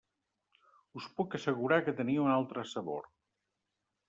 Us puc assegurar que tenia un altre sabor.